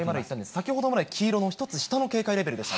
先ほどまで黄色の、１つ下の警戒レベルでした。